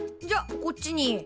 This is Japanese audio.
じゃこっちに。